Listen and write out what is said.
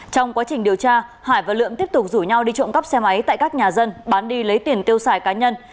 trong quá trình điều tra hải và lượng tiếp tục rủ nhau đi trộm cắp xe máy tại các nhà dân bán đi lấy tiền tiêu xài cá nhân